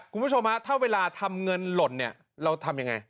คุณผู้ชมฮะถ้าเวลาทำเงินหล่นเนี่ยเราทำยังไง